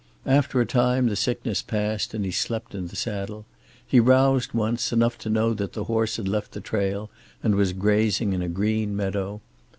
After a time the sickness passed, and he slept in the saddle. He roused once, enough to know that the horse had left the trail and was grazing in a green meadow.